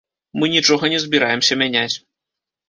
Мы нічога не збіраемся мяняць.